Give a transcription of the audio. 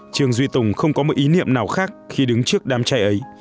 trương duy tùng không có một ý niệm nào khác khi đứng trước đám cháy ấy